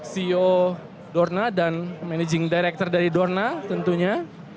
ceo dorna dan managing director dari dorna tentunya